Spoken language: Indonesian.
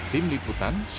tim liputan cnn indonesia